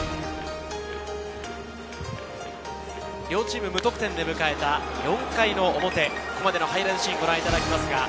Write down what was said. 両チーム無得点で迎えた４回の表、ここまでのハイライトシーンをご覧いただきます。